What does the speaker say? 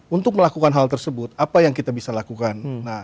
untuk melakukan hal tersebut apa yang kita bisa lakukan